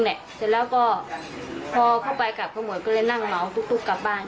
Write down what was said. เสร็จแล้วก็พอเข้าไปกลับเขาหมดก็เลยนั่งเหมาตุ๊กกลับบ้าน